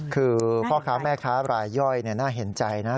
คือพ่อค้าแม่ค้ารายย่อยน่าเห็นใจนะ